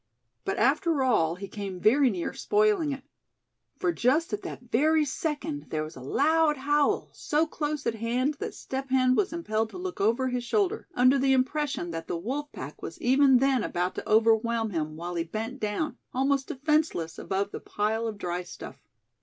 But after all he came very near spoiling it; for just at that very second there was a loud howl, so close at hand that Step Hen was impelled to look over his shoulder, under the impression that the wolf pack was even then about to overwhelm him while he bent down, almost defenseless, above the pile of dry stuff.